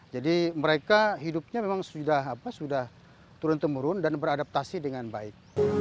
jadi mereka hidupnya memang sudah turun temurun dan beradaptasi dengan baik